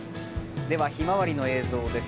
ひまわりの映像です。